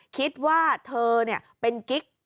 คิดว่าเธอเป็นกิ๊ก